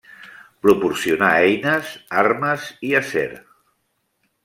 Proporcionar eines, armes, i acer.